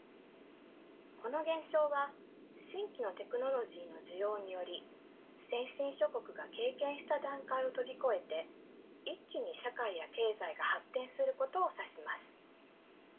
この現象は新規のテクノロジーの需要により先進諸国が経験した段階を飛び越えて一気に社会や経済が発展することを指します。